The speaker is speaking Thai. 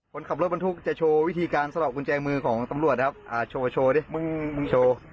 คนขับรถบรรทุกจะโชว์วิธีการสลอกกุญแจมือของตำรวจครับอ่าโชว์โชว์ดิมึงมึงโชว์